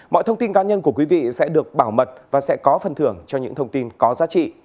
mọi thông tin cá nhân của quý vị sẽ được bảo mật và sẽ có phần thưởng cho những thông tin có giá trị